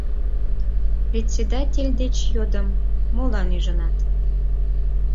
Председатель деч йодым: «Молан ӱжынат?